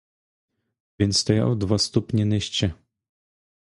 Він стояв два ступні нижче.